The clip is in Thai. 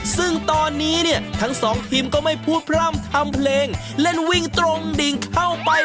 ซึ่งตอนนี้เนี่ยทั้งสองทีมก็ไม่พูดพร่ำทำเพลงเล่นวิ่งตรงดิ่งเข้าไป